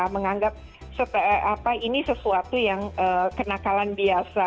menganggap ini sesuatu yang kenakalan biasa